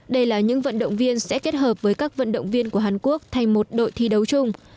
đây là những vận động viên sẽ kết hợp với các vận động viên của hàn quốc thành một đội thi đấu chung